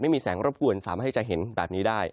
ไม่มีแสงรบกวนสามารถให้จะเห็นแบบนี้ได้